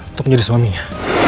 untuk menjadi suaminya